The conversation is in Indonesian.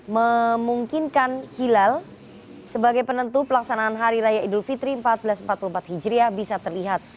memungkinkan hilal sebagai penentu pelaksanaan hari raya idul fitri seribu empat ratus empat puluh empat hijriah bisa terlihat